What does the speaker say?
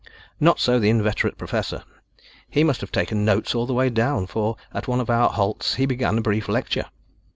Not so the inveterate Professor. He must have taken notes all the way down, for, at one of our halts, he began a brief lecture.